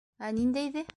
- Ә ниндәйҙе?